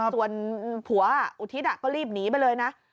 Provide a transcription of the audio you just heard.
ส่วนผัวอุทิศก็รีบหนีไปเลยนะ